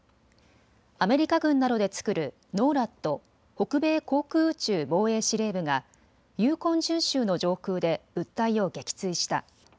アメリカ軍などで作るＮＯＲＡＤ・北米航空宇宙防衛司令部がユーコン準州の上空で物体を撃墜した。